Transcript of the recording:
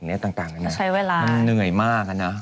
ใช้เวลามันเหนื่อยมากแล้วนะ